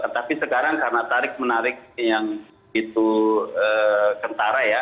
tapi sekarang karena tarik menarik yang itu kentara ya